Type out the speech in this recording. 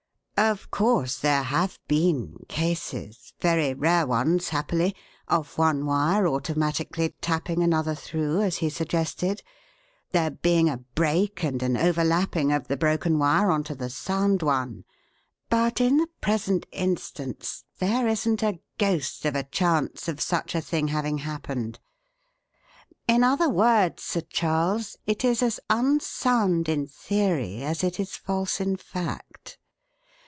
Of course, there have been cases very rare ones, happily of one wire automatically tapping another through, as he suggested, there being a break and an overlapping of the broken wire on to the sound one; but in the present instance there isn't a ghost of a chance of such a thing having happened. In other words, Sir Charles, it is as unsound in theory as it is false in fact.